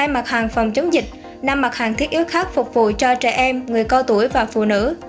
hai mặt hàng phòng chống dịch năm mặt hàng thiết yếu khác phục vụ cho trẻ em người cao tuổi và phụ nữ